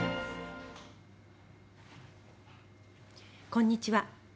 こんにちは。